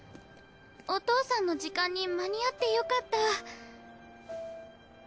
お父さんの時間に間に合ってよかった。